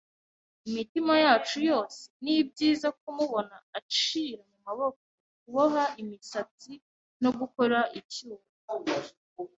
imitima yacu yose nibyiza kumubona acira mumaboko, kuboha imisatsi, no gukora icyuma